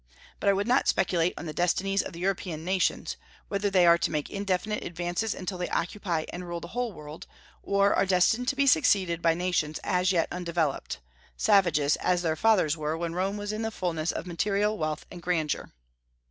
But I would not speculate on the destinies of the European nations, whether they are to make indefinite advances until they occupy and rule the whole world, or are destined to be succeeded by nations as yet undeveloped, savages, as their fathers were when Rome was in the fulness of material wealth and grandeur.